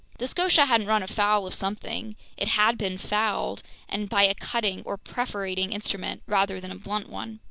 The Scotia hadn't run afoul of something, it had been fouled, and by a cutting or perforating instrument rather than a blunt one.